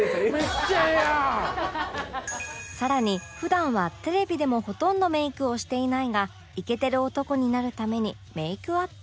更に普段はテレビでもほとんどメイクをしていないがイケてる男になるためにメイクアップ